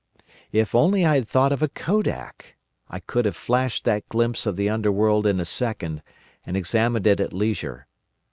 If only I had thought of a Kodak! I could have flashed that glimpse of the Underworld in a second, and examined it at leisure.